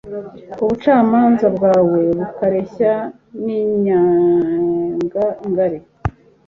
ubucamanza bwawe bukareshya n’inyenga ngari